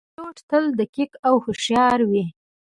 پیلوټ تل دقیق او هوښیار وي.